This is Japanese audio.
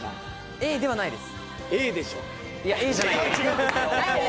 Ａではないです。